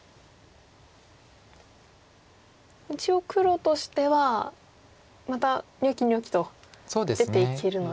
一応黒としてはまたニョキニョキと出ていけるので。